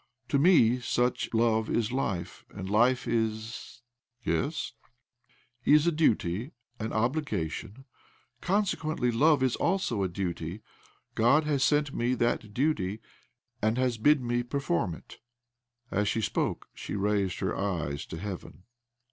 To me such love is life, and life is "^'^'^ "Yes?" " Is a duty, an obligation. Consequently love also is a duty. God has sent me that duty, and has bid me perform it." As she spoke she raised her eyes to heaven.